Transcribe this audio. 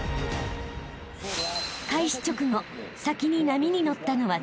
［開始直後先に波に乗ったのは都築選手］